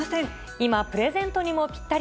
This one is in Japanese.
今、プレゼントにもぴったり。